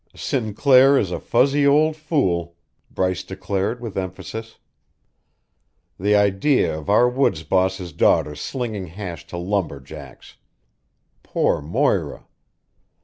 "Sinclair is a fuzzy old fool," Bryce declared with emphasis. "The idea of our woods boss's daughter slinging hash to lumberjacks. Poor Moira!"